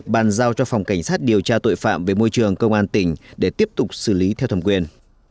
bàn giao cho phòng cảnh sát điều tra tội phạm về môi trường công an tỉnh để tiếp tục xử lý theo thẩm quyền